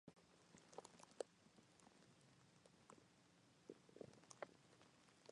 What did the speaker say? It improves bonding at the microscopic scale.